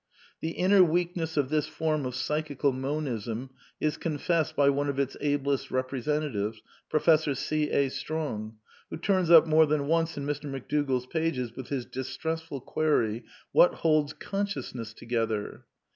The inner weakness of this form of Psychical Monism is con fessed by one of its ablest representatives, Professor C. A. Strong, who turns up more than once in Mr. McDougall's pages with his distressful query, " What holds consciousness together